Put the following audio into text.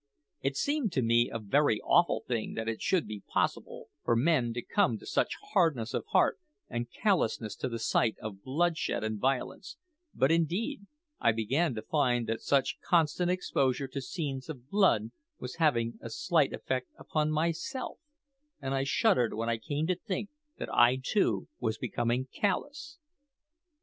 It seemed to me a very awful thing that it should be possible for men to come to such hardness of heart and callousness to the sight of bloodshed and violence; but, indeed, I began to find that such constant exposure to scenes of blood was having a slight effect upon myself, and I shuddered when I came to think that I too was becoming callous.